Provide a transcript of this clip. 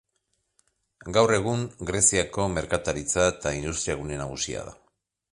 Gaur egun, Greziako merkataritza eta industriagune nagusia da.